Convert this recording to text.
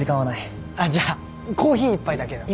じゃあコーヒー１杯だけでも。